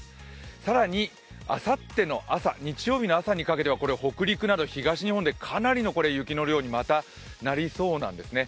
更にあさっての朝、日曜日の朝にかけては北陸など東日本でかなりの雪の量にまたなりそうなんですね。